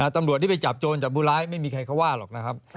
ตำรวจที่ไปจับโจรจับผู้ร้ายไม่มีใครเขาว่าหรอกนะครับ